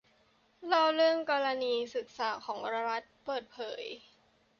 เล่าเรื่องกรณีศึกษาของรัฐเปิดเผย